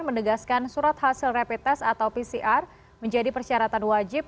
menegaskan surat hasil rapid test atau pcr menjadi persyaratan wajib